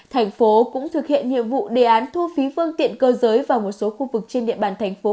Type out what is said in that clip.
thành phố cũng thực hiện nhiệm vụ đề án thu phí phương tiện cơ giới vào một số khu vực trên địa bàn thành phố